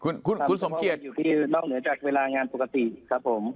นอกเหนือจากเวลางานปกติครับผม